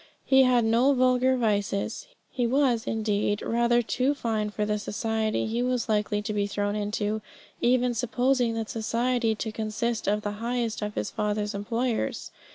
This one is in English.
He had no vulgar vices; he was, indeed, rather too refined for the society he was likely to be thrown into, even supposing that society to consist of the highest of his father's employers.